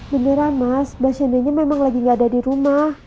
beneran mas basyandanya memang lagi gak ada di rumah